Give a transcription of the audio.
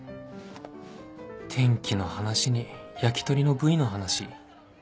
天気の話に焼き鳥の部位の話